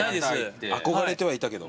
憧れてはいたけど。